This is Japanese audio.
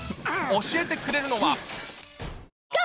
教えてくれるのは。